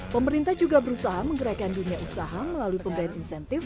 pemerintah juga berusaha menggerakkan dunia usaha melalui pemberian insentif